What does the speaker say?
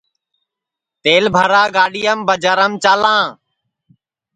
تیل بھرا گاڈؔیام ٻجارام چالاں